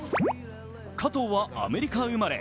加藤はアメリカ生まれ。